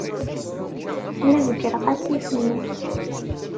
La zeggreɣ asif-nni.